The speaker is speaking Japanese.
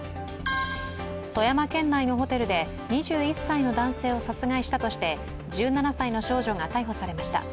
富山県内のホテルで２１歳の男性を殺害したとして１７歳の少女が逮捕されました。